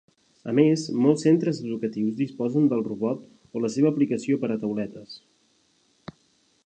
A més, molts centres educatius disposen del robot o la seva aplicació per a tauletes.